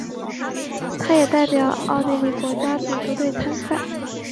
他也代表奥地利国家足球队参赛。